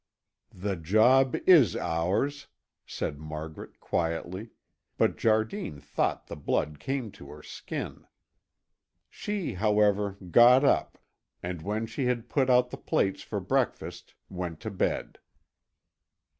"The job is ours," said Margaret quietly, but Jardine thought the blood came to her skin. She, however, got up and when she had put out the plates for breakfast went to bed.